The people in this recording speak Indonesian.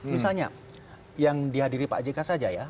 misalnya yang dihadiri pak jk saja ya